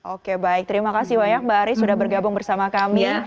oke baik terima kasih banyak mbak ari sudah bergabung bersama kami